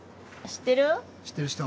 知ってる人？